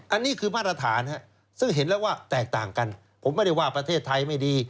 อันนี้คือมาตรฐานซึ่งเห็นแล้วว่าแตกต่างกันผมไม่ได้ว่าประเทศไทยไม่ดี